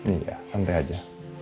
iya santai aja